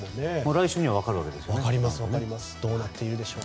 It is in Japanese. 来週には分かるわけですもんね。